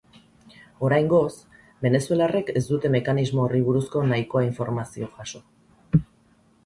Oraingoz, venezuelarrek ez dute mekanismo horri buruzko nahikoa informazio jaso.